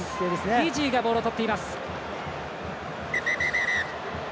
フィジーがボールをとっています。